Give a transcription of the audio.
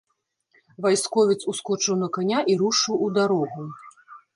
Вайсковец ускочыў на каня і рушыў у дарогу.